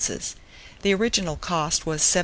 The original cost was 7 1/2d.